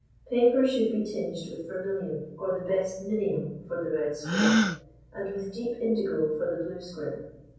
Paper should be tinged with vermilion or the best minium for the red square, and with deep indigo for the blue square.